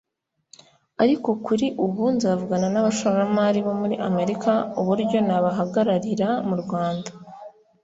ariko kuri ubu nzavugana n’abashoramari bo muri Amerika uburyo nabahagararira mu Rwanda